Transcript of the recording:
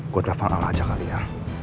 gue telepon allah aja kali ya